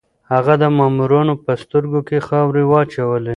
هغه د مامورانو په سترګو کې خاورې واچولې.